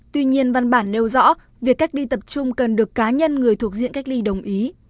tuy nhiên văn bản nêu rõ việc cách ly tập trung cần được cá nhân người thuộc diện cách ly đồng ý